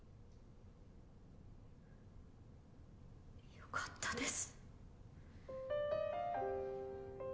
良かったです。